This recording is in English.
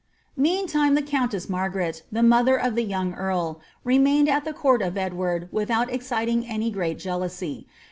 Meantime the countess Margaret, the mother of the young eari, re mained at the court of Edward without exciting any great jealousy.